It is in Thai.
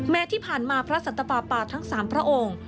ที่ผ่านมาพระสัตปาทั้ง๓พระองค์